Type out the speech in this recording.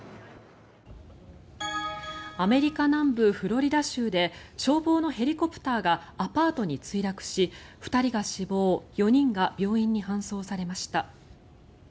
アメリカ南部フロリダ州で消防のヘリコプターがアパートに墜落し、２人が死亡４人が病院に搬送されました。